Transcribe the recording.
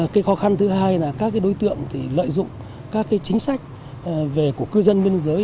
cái khó khăn thứ hai là các đối tượng thì lợi dụng các chính sách về của cư dân biên giới